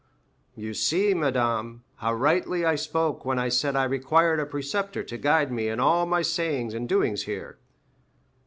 "You see, madame, how rightly I spoke when I said I required a preceptor to guide me in all my sayings and doings here."